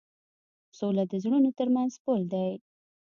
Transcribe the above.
سوله د زړونو تر منځ پُل دی.